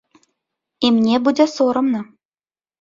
І мне будзе сорамна.